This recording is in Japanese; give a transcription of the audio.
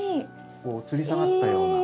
こうつり下がったような。